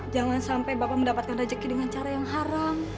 jangan sampai bapak mendapatkan rezeki dengan cara yang haram